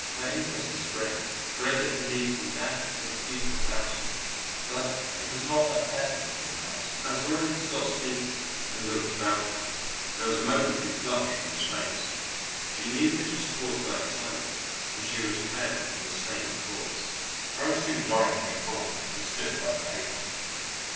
Her interest was great, greater, indeed, than that of the people about her, but it was not a pleasant interest. As Loring stopped speaking, and looked about him, there was a momentary flush on his face. She knew this was caused by excitement, and she was pale from the same cause. Very soon Loring came forward, and stood by the table.